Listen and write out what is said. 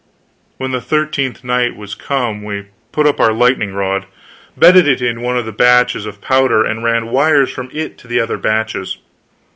When the thirteenth night was come we put up our lightning rod, bedded it in one of the batches of powder, and ran wires from it to the other batches.